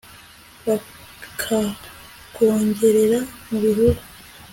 bakagongerera mu bihuru